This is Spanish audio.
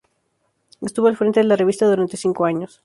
Estuvo al frente de la revista durante cinco años.